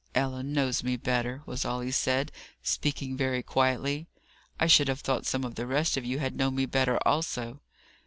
"Ellen knows me better," was all he said, speaking very quietly. "I should have thought some of the rest of you had known me better, also."